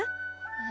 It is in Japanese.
え